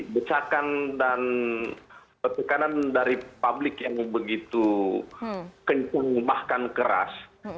becakan dan tekanan dari publik yang begitu kencang bahkan keras